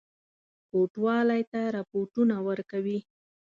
کوټوالی ته رپوټونه ورکړي.